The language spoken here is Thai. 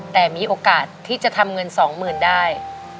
แต่มีโอกาสที่จะทำเงินสองหมื่นได้